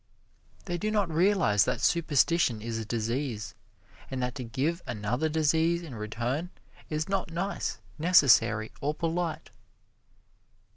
They do not realize that superstition is a disease, and that to give another disease in return is not nice, necessary or polite.